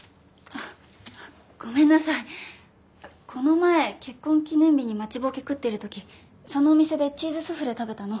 あっこの前結婚記念日に待ちぼうけ食ってるときそのお店でチーズスフレ食べたの。